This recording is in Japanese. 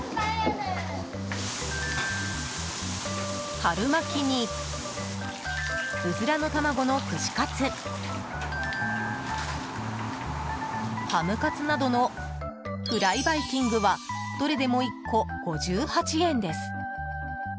春巻きにうずらの卵の串カツハムカツなどのフライバイキングはどれでも１個５８円です。